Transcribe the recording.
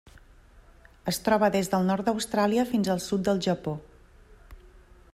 Es troba des del nord d'Austràlia fins al sud del Japó.